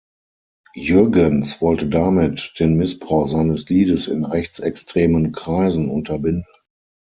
Jürgens wollte damit den Missbrauch seines Liedes in rechtsextremen Kreisen unterbinden.